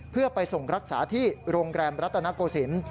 เพื่อไปส่งรักษาที่โรงแรมรัตนโกศิลป์